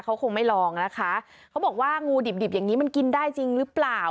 เขาคงไม่ลองนะคะเขาบอกว่างูดิบดิบอย่างนี้มันกินได้จริงหรือเปล่า